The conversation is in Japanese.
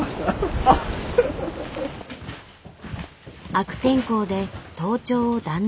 悪天候で登頂を断念。